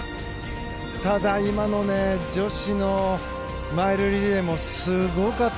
ただ、今の女子のマイルリレーもすごかった。